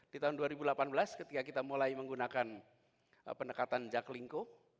di tahun dua ribu delapan belas ketika kita mulai menggunakan pendekatan jaklingko